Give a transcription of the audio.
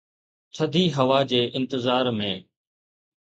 ٿڌي هوا جي انتظار ۾